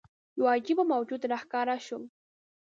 یوه عجيب موجود راښکاره شو.